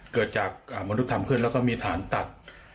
เกิดจากมนุษย์ทำขึ้นแล้วก็มีฐานตัด